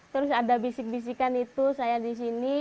terus ada bisik bisikan itu saya di sini